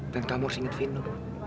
dan kamu harus ingat vino